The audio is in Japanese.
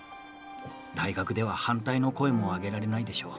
大学では反対の声も上げられないでしょう。